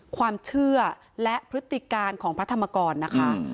ความเชื่อและพฤติการของพระธรรมกรนะคะ